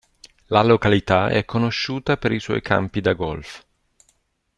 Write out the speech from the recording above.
La località è conosciuta per i suoi campi da golf.